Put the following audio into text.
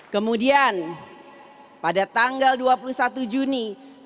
kemudian pada tanggal dua puluh satu juni seribu sembilan ratus tujuh puluh